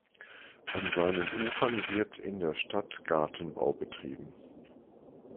An seinen Ufern wird in der Stadt Gartenbau betrieben.